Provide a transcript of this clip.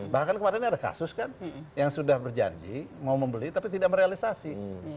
bahkan kemarin ada kasus kan yang sudah berjanji mau membeli tapi tidak merealisasi